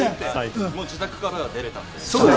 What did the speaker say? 自宅からはもう出られたので。